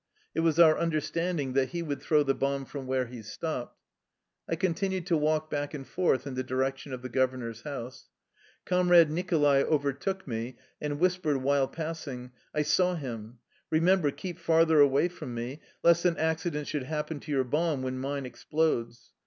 It was our understanding that he would throw the bomb from where he stopped. I continued to walk back and forth in the direction of the governor's house. Com rade Nicholai overtook me, and whispered while passing :" I saw him. Remember, keep farther away from me, lest an accident should happen to your bomb when mine explodes."